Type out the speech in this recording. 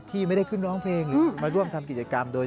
ที่ไม่ได้ขึ้นร้องเพลงหรือมาร่วมทำกิจกรรมโดย